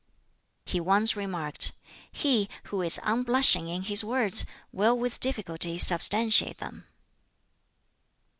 He once remarked, "He who is unblushing in his words will with difficulty substantiate them."